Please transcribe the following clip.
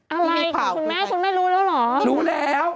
อะไรกับคุณแม่คุณแม่รู้แล้วเหรอรู้แล้ว